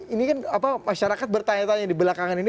ini kan masyarakat bertanya tanya di belakangan ini